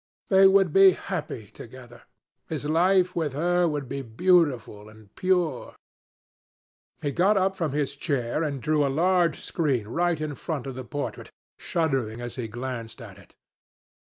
They would be happy together. His life with her would be beautiful and pure. He got up from his chair and drew a large screen right in front of the portrait, shuddering as he glanced at it.